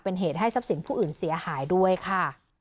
เป็นเหตุให้ทรัพย์สินผู้อื่นเสียหายด้วยค่ะ